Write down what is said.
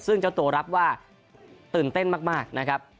ซึ่งเจ้าตัวรับว่าตื่นเต้นมากนะครับ